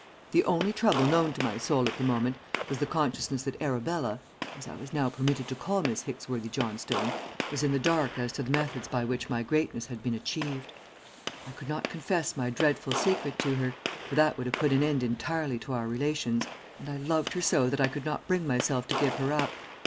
The only trouble known to my soul at the moment was the consciousness that Arabella, as I was now permitted to call Miss Hicksworthy Johnstone, was in the dark as to the methods by which my greatness had been achieved. I could not confess my dreadful secret to her, for that would have put an end entirely to our relations, and I loved her so that I could not bring myself to give her up.